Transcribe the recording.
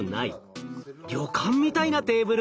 旅館みたいなテーブル！